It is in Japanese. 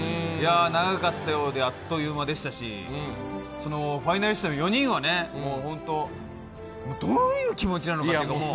長かったようで、あっという間でしたし、ファイナリスト４人は、本当どういう気持ちなのかというか。